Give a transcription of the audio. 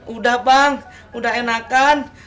udah bang udah enakan